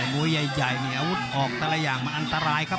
มวยใหญ่นี่อาวุธออกแต่ละอย่างมันอันตรายครับ